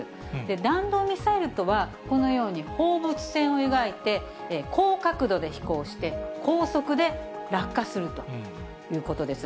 弾道ミサイルとは、このように放物線を描いて、高角度で飛行して、高速で落下するということです。